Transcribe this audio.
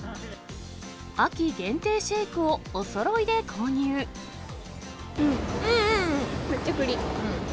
秋限定シェイクを、おそろいうんうん、めっちゃ栗？